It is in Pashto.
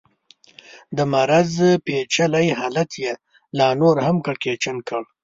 د مرض پېچلی حالت یې لا نور هم کړکېچن کړ.